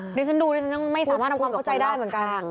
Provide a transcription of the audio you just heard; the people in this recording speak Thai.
เดี๋ยวฉันดูไม่สามารถเอาความเข้าใจได้เหมือนกัน